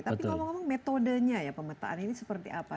tapi ngomong ngomong metodenya ya pemetaan ini seperti apa